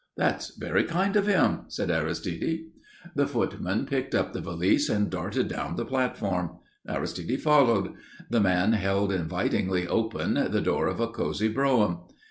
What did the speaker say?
"That's very kind of him," said Aristide. The footman picked up the valise and darted down the platform. Aristide followed. The footman held invitingly open the door of a cosy brougham.